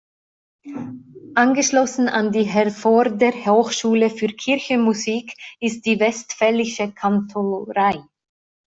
Angeschlossen an die Herforder Hochschule für Kirchenmusik ist die Westfälische Kantorei.